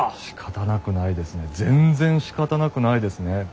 しかたなくないですね全然しかたなくないですね。